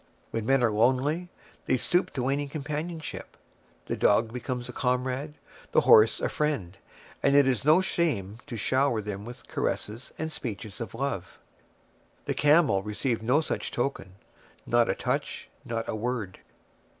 When men are lonely, they stoop to any companionship; the dog becomes a comrade, the horse a friend, and it is no shame to shower them with caresses and speeches of love. The camel received no such token, not a touch, not a word.